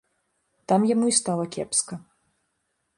Там яму і стала кепска.